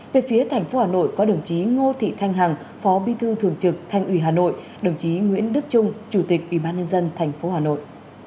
về phía tp hà nội có đồng chí ngô thị thanh hằng phó bi thư thường trực thành ủy hà nội đồng chí nguyễn đức trung chủ tịch ủy ban nhân dân tp hà nội